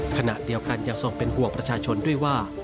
ขณะเดียวกันยังทรงเป็นห่วงประชาชนด้วยว่า